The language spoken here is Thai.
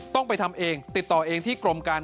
ต้องไปทำเองติดต่อเองที่กรมการ